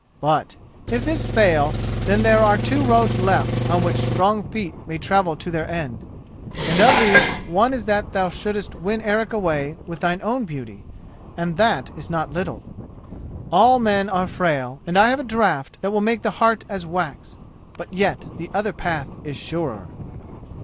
But, if this fail, then there are two roads left on which strong feet may travel to their end; and of these, one is that thou shouldest win Eric away with thine own beauty, and that is not little. All men are frail, and I have a draught that will make the heart as wax; but yet the other path is surer."